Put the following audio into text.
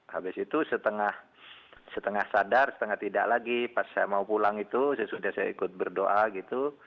habis itu setengah sadar setengah tidak lagi pas saya mau pulang itu sesudah saya ikut berdoa gitu